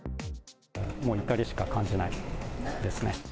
もう怒りしか感じないですね。